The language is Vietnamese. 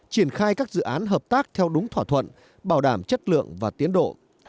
triển khai các dự án hợp tác theo đúng thỏa thuận bảo đảm chất lượng và tiến độ